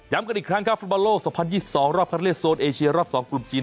กันอีกครั้งครับฟุตบอลโลก๒๐๒๒รอบคัดเลือกโซนเอเชียรอบ๒กลุ่มจีน